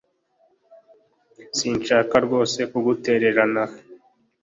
Sinshaka rwose kugutererana